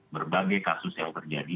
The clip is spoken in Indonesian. berbagai kasus yang terjadi